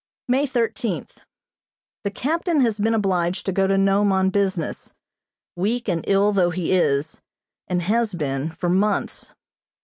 May thirteenth: The captain has been obliged to go to Nome on business, weak and ill though he is, and has been for months.